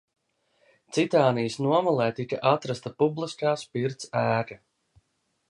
Citānijas nomalē tika atrasta publiskās pirts ēka.